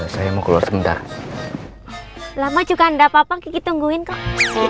saya mau keluar sebentar lama juga ndak papa kekitungguin kok